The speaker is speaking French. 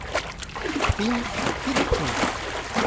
Prime à qui le trouve.